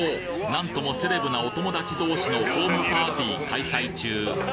なんともセレブなお友達同士のホームパーティー開催中！